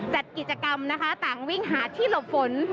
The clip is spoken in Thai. จัดกิจกรรมนะคะต่างวิ่งหาที่หลบฝน